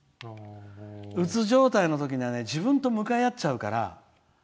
うつ状態のときには自分と向かい合っちゃうから。